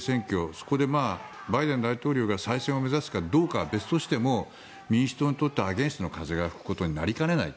そこでバイデン大統領が再選を目指すかどうかは別としても民主党にとってはアゲンストの風が吹くことになりかねない。